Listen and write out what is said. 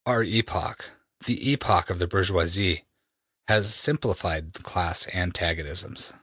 '' ``Our epoch, the epoch of the bourgeoisie ... has simplified the class antagonisms.